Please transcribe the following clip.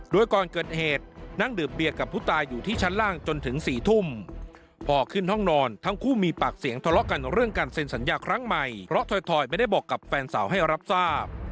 โดยก่อนเกิดเหตุนั่งดื่มเบียร์กับผู้ตายอยู่ที่ชั้นล่างจนถึง๔ทุ่มพอขึ้นห้องนอนทั้งคู่มีปากเสียงทะเลาะกันเรื่องการเซ็นสัญญาครั้งใหม่เพราะถอยไม่ได้บอกกับแฟนสาวให้รับทราบ